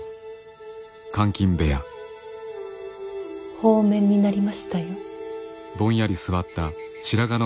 放免になりましたよ。